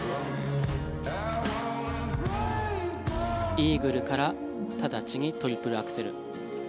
イーグルから直ちにトリプルアクセル。